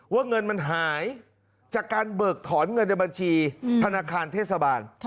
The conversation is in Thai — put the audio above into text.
ว่าเงินมันหายจากการเบิกถอนเงินในบัญชีธนาคารเทศบาล